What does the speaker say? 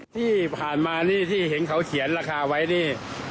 ที่ผ่านมานี่ที่เห็นเขาเขียนราคาไว้นี่